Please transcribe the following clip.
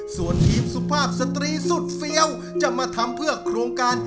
ส่วนทีมสุภาพสตรีสุดเฟี้ยวจะมาทำเพื่อโครงการ